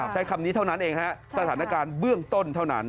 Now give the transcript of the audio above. ใช้คำนี้เท่านั้นเองฮะสถานการณ์เบื้องต้นเท่านั้น